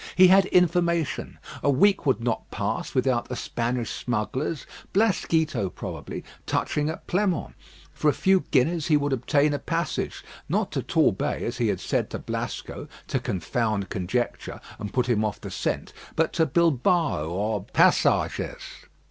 He had information. A week would not pass without the Spanish smugglers, Blasquito probably, touching at Pleinmont. For a few guineas he would obtain a passage, not to Torbay as he had said to Blasco, to confound conjecture, and put him off the scent but to Bilbao or Passages.